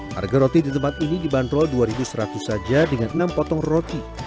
harga roti di tempat ini dibanderol dua seratus saja dengan enam potong roti